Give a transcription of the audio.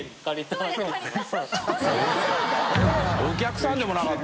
お客さんでもなかった？